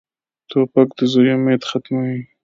توپک د زوی امید ختموي.